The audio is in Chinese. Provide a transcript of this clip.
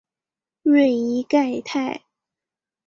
瑞伊盖泰。